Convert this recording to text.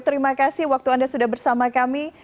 terima kasih waktu anda sudah bersama kami